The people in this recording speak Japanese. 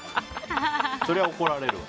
そりゃ怒られるわ。